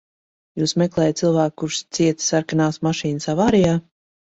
Jūs meklējat cilvēku, kurš cieta sarkanās mašīnas avārijā?